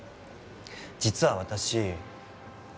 実は私。